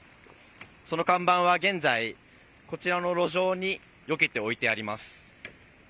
その看板は現在こちらの路上によけて置いてあります。